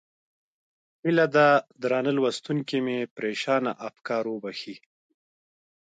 هیله ده درانه لوستونکي مې پرېشانه افکار وبښي.